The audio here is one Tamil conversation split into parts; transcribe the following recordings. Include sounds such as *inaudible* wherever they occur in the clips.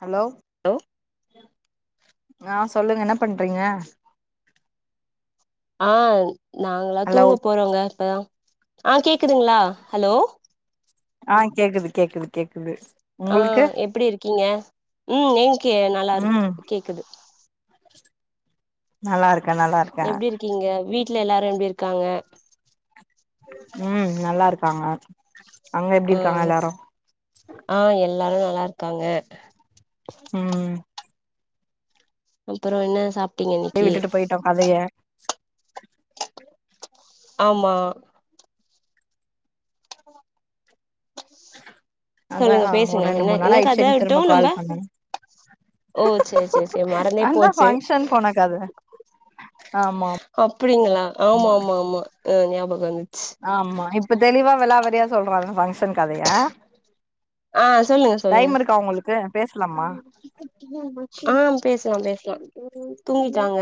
ஹலோ ஹலோ ஆ சொல்லுங்க என்ன பண்றீங்க? ஆ நாங்களா ஹலோ தூங்க போறோங்க இப்பதா ஆ கேக்குதுங்ளா ஹலோ? ஆ கேக்குது கேக்குது கேக்குது ஆ உங்களுக்கு எப்டி இருக்கீங்க? ம் நீங்க கே நல்லா இருக்கு ம் கேக்குது நல்லாருக் எப்படி இருக்கீங்க வீட் ல எல்லாரும் எப்படி இருக்காங்க ம் நல்லா இருக்காங்க அங்க எப்டி இருக்காங்க ம் எல்லாரு ஆ எல்லாரும் நல் லா இருக்காங்க ம் அப்புறம் என்ன சாப் யே விட்டுட்டு போயிட்டோம் கதைய ஆமா அதா சொல்லுங்க ஒரு பேசுங்க ரெண்டு என்ன மூணு என்ன நாள் கதை ஆயிடுச்சுன்னு திரும்ப விட்டோம் நம்ம கால் பண்ணே ஓ செரி செரி செரி மறந்தே அதா போச்சு ஃபங்க்ஷன் போன கத அப் புளிங்களா மா ஆமா இப்ப தெளிவா வெளாவறியா சொல்றாங்க பாங்க ஆ சொல்லுங்க சொல்லுங்க டைம் இருக்கா உங்களுக்கு பேசலாமா ஆ பேசலா பே தூங்கிட்டாங்க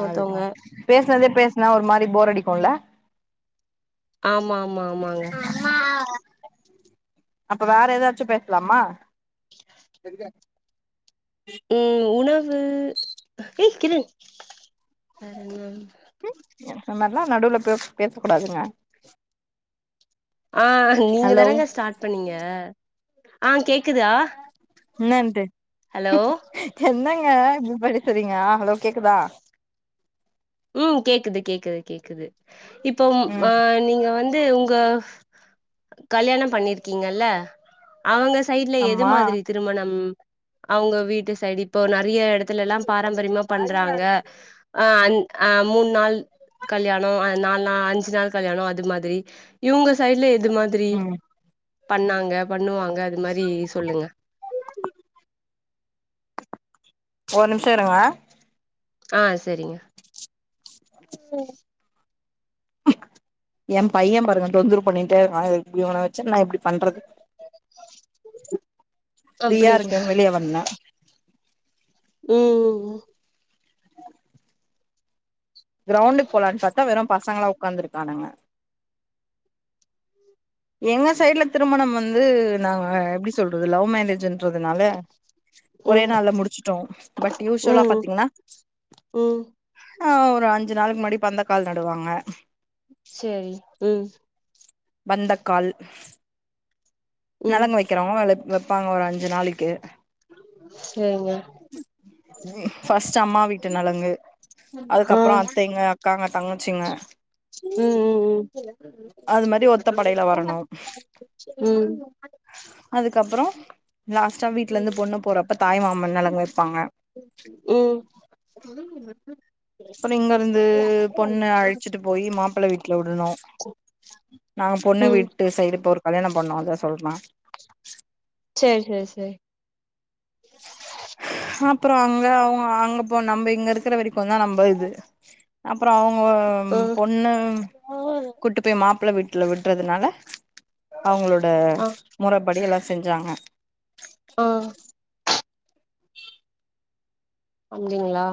ஒருத்தவங்க அதுதான் பேசுனதே பேசுனா ஒரு மாரி போர் அடிக் போல ஆமா ஆமா ஆமாங்க அப்போ வேற ஏதாச்சும் பேசலாமா ம் உணவு ஏ ஏக்கில வேற என்ன இந்த மாரிலா நடுவுல பேஸ் பேசக் கூடாதுங்க ஆ நீங்க தானேங்க ஸ்டார்ட் பண்ணீங்க ஆ கேக்குதா என்னனுட்டு ஹலோ என்ன்னங் ஏ இப்பிடி படுத்துரீங்க ஹலோ கேக்குதா ம் கேக்குது கேக்குது கேக்குது இப்போவும் ஆ ம் நீங்க வந் து உங்க கல்யாணம் பண்ணி இருக்கீங்கல அவுங்க சைட்டுல எது அம்மா மாதிரி திருமணம் அவங்க வீட்டு சைடு இப்போ நறையா எடத்து எல்லாம் பாரம்பரியம்மா பண்றாங்க ஆ அந் ஆ மூண் நாள் கல்யாணோ ஆ நா நா அஞ்சு நாள் கல்யாணோ அது மாதிரி இவங்கஸ் சைடுல எது மாதிரி ம் பண்ணாங்க பண்ணுவாங்க அது மாரி சொல்லுங்க ஒரு நிம்ஷோ இருங்க ஆ சேரிங்க ம் எம் பைய பாருங்க தொந்தரவு பண்ணிட்டே இருக்கா இவன வெச்சுட் நா எப்டி பண்றது ஃப்ரீயா அப்டிங்க இருக்கன் வெளிய வந்த ம் ம் ம் கிரௌண்டுக்கு போலான் பாத்தா வெறும் பசங்களா உக்காந்துருக்கானுங்க எங்க சைடுல திருமணம் வந்து நா எப்டிஸ் சொல்றது லவ் மேரேஜ்ன்றதுனால ஒரே ம் நாள்ல முடுச்சுட்டோ பட் யூஸ்வலா ம் பாத்தீங்கன்னா ம் ஆ ஒரு அஞ்சு நாளைக்கு முன்னாடி பந்தக்கால் நடுவாங்க செரி ம் பந்த கால் ம் நலங்கு வெக்கிறவங்க நலங்கு வெப் இருப்பாங்க ஒரு அஞ்சு நாளைக்கு செரிங்க ஃபஸ்ட்டு அம்மா வீட்டு நலங்கு ஆ அதுக்கப்புறோ அத்தைங்க அக்காங்க தங்கச்சிங்க ம் ம் ம் இப்டி ஒத்த படையில வரணு ம் அதுக்கப்புறோ லாஸ்டா வீட்ல இருந்து பொண்ணு போறப் ப்ப தாய் மாமன் நலங்கு வெப்பாங்க ம் அப்புறோ இங்க இருந்து பொண்ணு அழிச்சிட்டு போய் மாப்புள்ள வீட்ல விடனு நாங்க பொண்ணு ம் வீட்டு சைடு இப்ப ஒரு கல்யாணம் பண்ணோ அதா சொல்ற சேரி சேரி சேரி அப்புறோ அங்க அவுங்க அங்க போ நம்ப இங்க இருக்குற வரைக் இப்பதா நம்ப இது அப்புறோ அவங்க ஆ பொண்ணு ம் கூட்டிட்டு போய் மாப்பிள்ள வீட்ல விடுறதுனால அவுங்களோட ஆ முறப்படி இதெல்லாம் செஞ்ஜாங்க ஆ அப்படிங்களா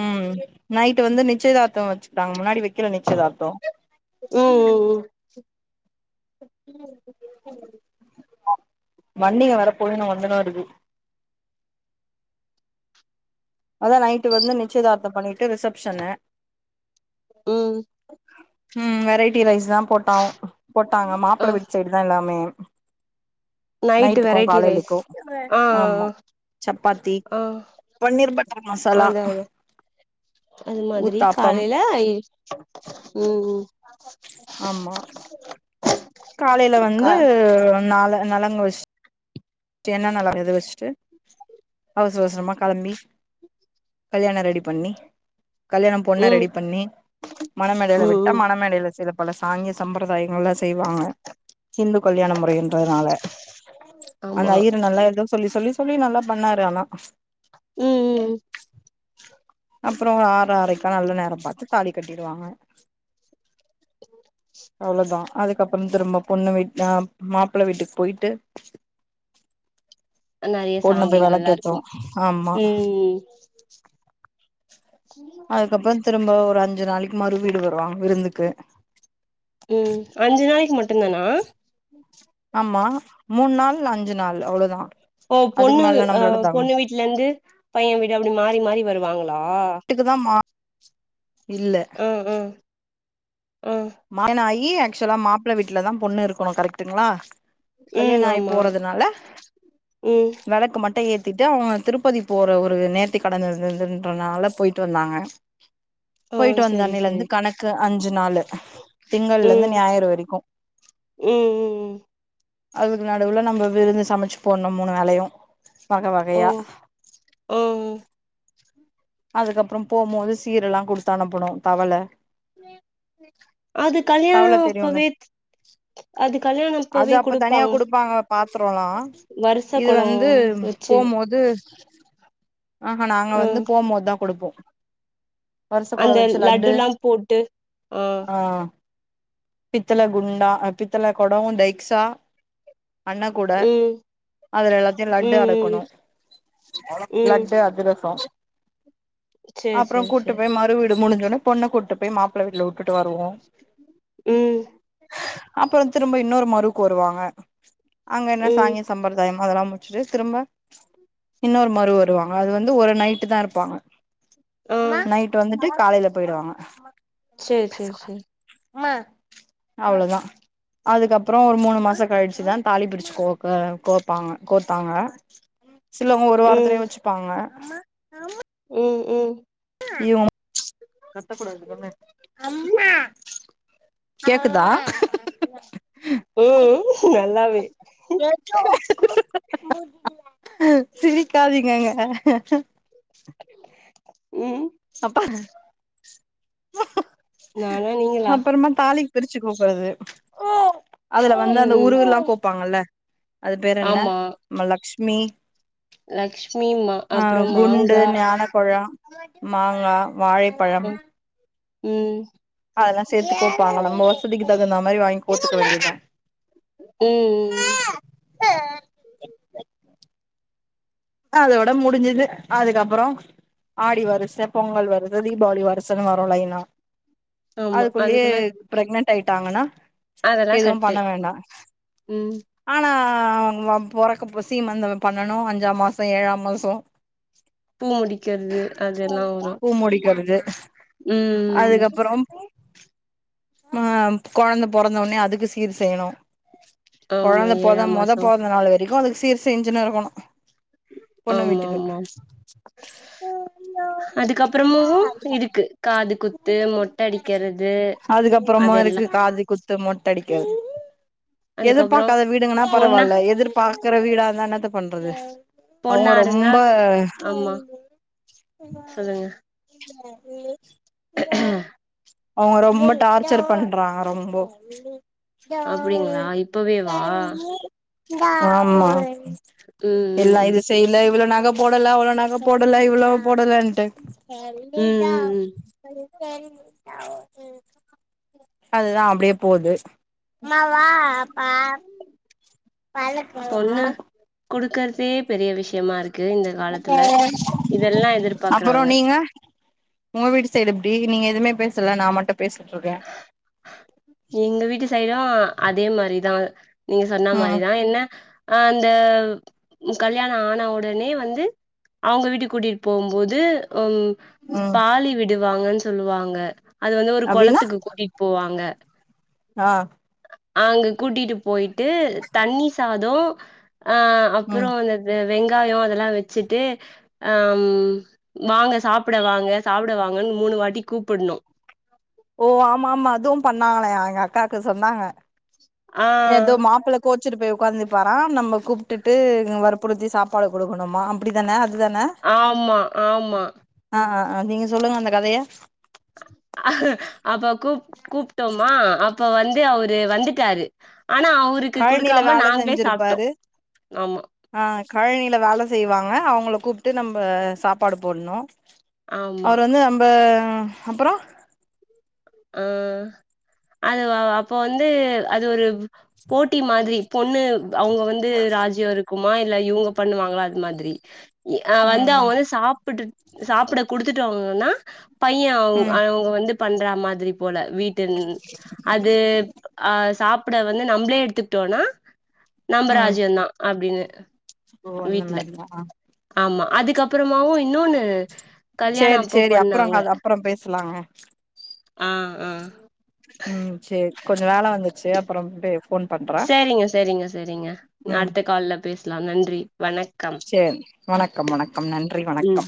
ம் நைட்டு வந்து நிச்சயதார்த்தம் வச்சுக்புட்டாங்க முன்னாடி வை ம் ம் ம் *unintelligible* வண்டிங்க வற போது இன்னும் ஒன்னு தான் இருக்கு அதான் நைட் வந்து நிச்சயதார்த்தம் பண்ணிட் அடுத்து ரிஷப்ஷன்னு ம் ம் வெரைட்டி ரைஸ் தான் போட்டோ போட்டாங்க ஆ மாப்பிள்ளை வீட்டு சைடு தான் எல்லாமே நைட்டு நைட்டுக்கு வெரைட்டி ரைஸ் காலையிலைக்கு ஆ ஆமா சப்பாத்தி ஆ ஆ பன்னீர் பட்டர் மசாலா அத அத அது மாதிரி ஊத்தாப்பம் காலைல ம் ம் ஆமா காலையில வந்து கா நாளா நலங்கு வச் சுட்டு என்னென்ன வரது வச்சுட்டு அவசரம் அவசரமா களம்பி கல்யாணம் ரெடி பண்ணி கல்யாணம் பொண்ணை ம் ரெடி பண்ணி மண மேடையில ம் விட்டா ம் மண மேடையில சில பல சாங்கிய சம்பிரதாய ங்கள் செய்வாங்க இந்து கல்யாண முறைன்றதுனால அந்த ஆமா ஐயர் நல்லா இரு சொல்லி சொல்லி சொல்லி நல்லா பண்ணாரு ஆனா ம் ம் *inaudible* அப்புறம் ஒரு ஆறு ஆறைக்கா நல்ல நேரம் பார்த்து தாலி கட்டிடுவாங்க அவ்வளோ தான் அதுக்கப்புறம் திரும்ப பொண்ணு வீட்டு மாப்பிளை வீட்டுக்கு போயிட்டு நறையா பொண்ணு போய் சாங்கியங்கல்லா வெளக்கேத்து இருக்கு ஆமா ம் அதுக்கப்புறோ திரும்ப ஒரு அஞ்சு நாளைக் மறு வீடு வருவாங் விருந்துக்கு ம் அஞ்சு நாளைக்கு மட்டுந்தானா ஆமா மூணு நாள் அஞ்சு நாள் அவ்ளோதா ஓ அதுக்கு பொண்ணு மேல அ நம்மளோட தம் பொண்ணு வீட்ல இருந்து பைய வீடு அப்டி மாறி மாறி வருவாங்களா வீட்டுக்கு *inaudible* இல்ல ஆ ஆ ஆ மாயினாய் யி ஏக்சுவலா மாப்புள வீட்லதா பொண்ணு இருக்கணு கரெக்ட்டுங்களா ம் கல்யாணோ ஆயி ஆமா போறதுனால ம் வெளக்கு மட்டு ஏத் கத்திட்டு அவங்க திருப்பதி போற ஒரு நேத்தி கடன் இருந்ததுன்றனால போயிட்டு வந்தாங்க ஆ போயிட்டுட்டு சரி வந்தண்ணில இருந்து சரி கணக்கு அஞ்சு நாலு திங்கள்ல இருந்து ம் ஞாயிறு வரைக்கு ம் ம் ம் அதுக்கு நடுவுல நம்ப விருந்து சமச்சு போண்னு மூணு வேலையு வக ஓ வகையா ஓ அதுக்கப்பறம் போம்போது சீரெல்லா குடுத்து அனுப்பனு தவல அது கல்யாணோ தவல தெரியுல அப்பவே அது கல்யாணோ அது அப்பவே அப்ப தனியா குடுப்பாங் குடுப்பாங்க பாத்திரல்லா வருச இது கொடோ வந்து வெச்சு போம்போது ம் அதா குடுப்போ வருச கொட அந்த வச்சு லட்டு லட்டுல்லாம் போட்டு ஆ பித்தள குண்டா பித்தள கொடோ டைக்சா அண்ணா கூட ம் அதுல எல்லாத்தையு லட்டு ம் அடுக்கணு ம் ம் லட்டு அதிரசோ சேரி அப்புறோ சேரி கூட்டு சேரி போய் மறுவீடு டு முடுஞ்சொன்னே பொண்ண கூட்டு போய் மாப்புள்ள வீட்ல உட்டுட்டு வருவோ ம் அப்புறோ திரும்ப இன்னொரு மறு க்கு வருவாங்க அங்க என்ன ம் சாங்கியோ சம்பிரதாயம் அதல்லா முடுச்சுட்டு திரும்ப இன்னொரு மறு வருவாங்க அது வந்து ஒரு நைட்டுதா இருப் ப்பாங்க ஆ நைட்டு வந்துட்டு காலைல போயிடுவாங்க சேரி சேரி சேரி அவ்ளதா அதுக்கப்புறோ ஒரு மூணு மாசோ கழிச்சுதா தாலி பிரிச்சு கோக்க கோப்பாங்க கோத்தாங்க. சிலவங்க ஒரு ம் வாரத்துலயு வச்சுப்பாங்க. ஆமா ஆ ம் ம் நீயு உன கேக்குதா ம் நல்லாவே சிரிக்காதீங்கங்க. ம் சப்பா நானா நீங்களா பிரிச்சு கோக்கறது அதுல வந்து ம் அந்த ம் உருவெல்லா கோப்பாங்கல்ல அது பேரு என்ன ஆமா நம்ம லக்ஷ் மி லக்ஷ்மி மா அப்றோ குண்டு மாங்கா ஞானப்பழோ மாங்கா வாழைப்பழம் ம் ம் அதெல்லா சேத்து கோப்பாங்க நம்ம வசதிக்கி தகுந்தா மாரி வாங்கி கோத்துக்க வேண்டுயதுதா. ம் ஆஹ் அதோட முடிஞ்சுது அதுக்கப்புறோ ஆடி வரிச, பொங்கல் வரிச, தீபாவளி வரிசைன்னு வரு லைனா ஆமா அதுக்குள்ளயே அதுக்குள்ள பிரக்னன் ட் ஆயிட்டாங்கன்னா அதெல்லா எதுவும் கட்டு பண்ண வேண்டா ம் ஆனா ஆ அங் போறக்கப்போ சீமந்தோ பண்ணனு அஞ்சாம் மா சோ ஏழாம் மாசோ பூ முடிக்கறது அதெல்லா வரு ம் அதுக்கப்பறம் ஆ கொழந்த பொறந்தவுட்னே அதுக்கு சீர் செய்யணு ஆமா கொழந்த பொத ஏழாம் மொத மாசோ பொறந்த நாள் வரைக்கு அதுக்கு சீர் செஞ்சுனு இருக்கணு பொண்ணு ஆமா வீட்டுக்கு ஆமா அதுக்கப்றமு இருக்கு காது குத்து மொட்ட அடிக்கிறது அதுக்கப்பறமா அதெல்லா இருக்கு காது குத் து மொட்டடிக்க அதுக்கப்றோ எதிர்பாக்காத வீடுங்கனா பொண்ணா பரவால்ல எதிர்பா க்கிற வீடாந்தா என்னத்த பண்றது அவுங்க பொண்ணா இருந்தா ரொம்ப *inaudible* ஆமா சொல்லுங்க மியா அவுங்க ரொம்ப டார்ச்சர் பண்றாங்க ரொம்போ அப்டிங்கிளா இப்பவே வா ஆமா இல்லா ம் இது ம் செய்ல இவ்ளோ நா க போடல அவ்ளோ நக போடல இவ்ளோ போடலன்ட்டு ம் எல்லிதா ம் ஹு *inaudible* அதுதா அப்டே போது பாப்பா பழக்கவா சி பெரிய விஷ்யமா இரு க்கு இந்த காலத்துல இதெல்லா அப்புறோ எதிர்பாக்கறாங்க நீங்க உங்க வீட்டு சைடு எப்டி நீங்க எதுமே பேசலா நா மட்டு பேசிட்ருக்க எங்க வீட்டு சைடும் அதே மாரிதா நீங்க சொன்ன ம் மாரிதா என்ன ஆ அந்த கல்யாண ஆனா ஒடனே வந்து அவுங்க வீட்டுக்கு கூட்டிடு போம்போது ம் ம் பாலி விடு வாங்கன் சொல்லுவாங்க அது வந்து ஒரு கொள அப்டின்னா டி போவாங்க ஆ அங்க கூட்டிட்டு போயிட்டு தண்ணி சாதம் ஆ ம் அப்புறம் வந்து அது வெங்காயம் அதெல்லாம் வச்சுட்டு ஆம் வாங்க சாப்பிட வாங்க சாப்பிட வாங்கன்னு மூணு வாட்டி கூப்பணும் ஓ ஆமா ஆமா அதுவும் பண்ணாங்களே எங்க அக்காக்கு சொன்னாங்க ஆ எதோ மாப்பள கொவுச் சுட்டு போய் உட்காந்திருப்பாராம் நம்ம கூப்பிட்டு வற்புறுடுத்தி சாப்பாடு குடுக்கணுமா அப்படித்தானே ஆமா ஆமா ஆ ஆ ஆ நீங்க சொல்லுங்க அந்த கதைய அ அப்ப கூப் கூப்ட்டோமா அப்ப வந்து அவுரு வந்துட்டாரு ஆனா அவருக்கு கழனில குடுக்காம வேலை நாங்களே சாப்ட்டோ செஞ்சிருப்பாரு ஆமா ஆ கழனியில வேலை செய்வாங்க அவுங் கள கூப்ட்டு நம்ம சாப்பாடு போடணும் ஆமா அவுருவந்து நம்ப ஆ அப்புறோம் ஆ அது அப்ப வந்து அது ஒரு போட்டி மாதிரி பொண்ணு அவுங்க வந்து ராஜ்யம் இருக்குமா இல்ல இவுங்க பண்ணுவாங்களா அது மாதிரி ஆ வந்து ம் அவுங்க வந்து சாப்பிட்டுட் சாப்பிட குடுத்துட்டுவங்கன்னா பையன் அவு ம் அவுங்க வந்து பண்றமா போல வீட்டு அது சாப் புட வந்து நம்மளே எடுத்துக்கிட்டோம்னா ம் நம்பராஜ்யம் தான் அப்படின்னு ஆ ஓ அந்த மாதிரிதான் ஆ ஆமா அதுக்கு அப்புறமாவும் சேரி சேரி அப்புறம்ங்க பண்ணாங்க அத அப்புறம் பேசலாம் ஆ ஆ சேரி கொஞ்சோ வேல *unintelligible* சேரிங்க சேரிங்க சேரிங்க நா ம் அடுத்த கால்ல பேசலாம் நன்றி வணக்கம் சேரி வணக்கம் வணக்கம் நன்றி ம் வணக்கம்